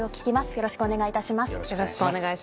よろしくお願いします。